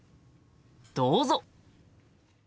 どうぞ！